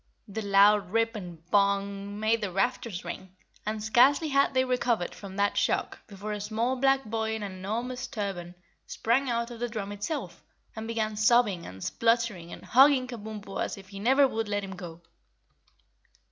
The loud rip and BONG made the rafters ring, and scarcely had they recovered from that shock before a small black boy in an enormous turban sprang out of the drum itself and began sobbing and spluttering and hugging Kabumpo as if he never would let him go.